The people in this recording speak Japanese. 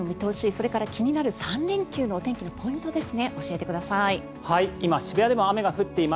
それから気になる３連休のお天気のポイント教えてください。